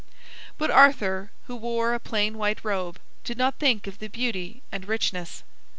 But Arthur, who wore a plain white robe, did not think of the beauty and richness.